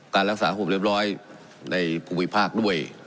การรักษาผศเรียบร้อยในบุคคลภาคด้วย